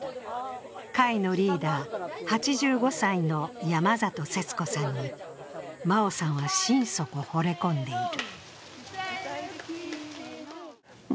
会のリーダー、８５歳の山里節子さんに真生さんは心底ほれ込んでいる。